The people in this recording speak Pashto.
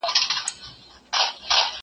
زه اوږده وخت لاس پرېولم وم،